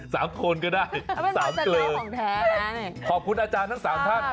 สามคนก็ได้สามคนขอบคุณอาจารย์ทั้งสามท่าน